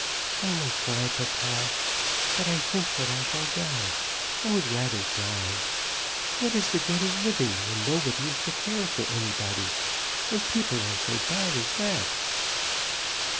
"I will try, papa. But I think that I shall die. I would rather die. What is the good of living when nobody is to care for anybody, and people are so bad as that?"